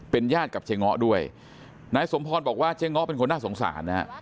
เป็นญาติกับเจ๊เงาะด้วยนายสมพรบอกว่าเจ๊เงาะเป็นคนน่าสงสารนะ